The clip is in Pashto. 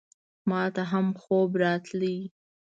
ماته هم خوب راتلی !